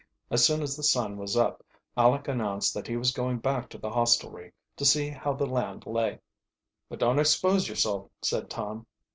As soon as the sun was up Aleck announced that he was going back to the hostelry to see how the land lay. "But don't expose yourself," said Tom.